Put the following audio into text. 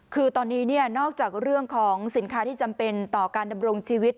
คือตอนนี้นอกจากเรื่องของสินค้าที่จำเป็นต่อการดำรงชีวิต